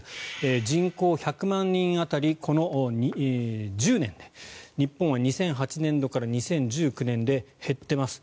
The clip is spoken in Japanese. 人口１００万人当たりこの１０年で日本は２００８年度から２０１９年で減っています。